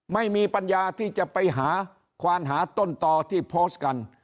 ไม่มีปัญญาที่จะไปหาควานหาต้นต่อที่โพสต์กัน